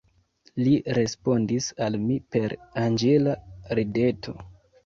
Li respondis al mi per anĝela rideto.